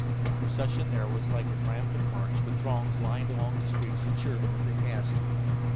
The procession there was like a triumphant march, with throngs lined along the streets to cheer them as they passed.